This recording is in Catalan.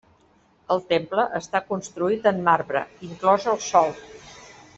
El temple està construït en marbre, inclòs el sòl.